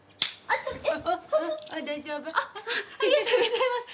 ありがとうございます。